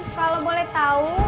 kalo boleh tau